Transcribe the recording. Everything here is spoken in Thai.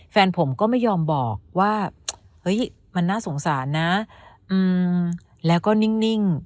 แฟนผมก็ไม่ยอมบอกว่าเฮ้ยมันน่าสงสารนะแล้วก็นิ่ง